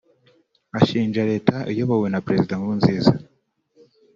ashinja Leta iyobowe na Perezida Nkurunziza